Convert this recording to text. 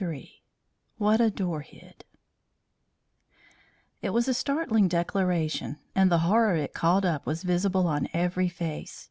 III WHAT A DOOR HID It was a startling declaration, and the horror it called up was visible on every face.